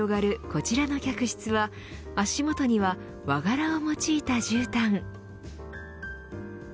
こちらの客室は足元には和柄を用いたじゅうたん。